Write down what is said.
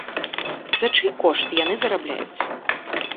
За чый кошт яны зарабляюць?